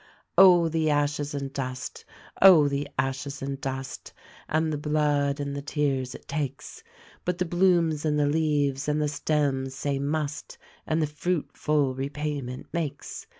Oh, the ashes and dust ! Oh, the ashes and dust ! and the blood and the tears it takes ! But the blooms and the leaves and the stems say MUST! and the fruit full repayment makes.